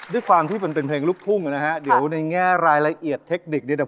ด้วยความที่มันเป็นเพลงลูกทุ่งนะฮะเดี๋ยวในแง่รายละเอียดเทคนิคเนี่ย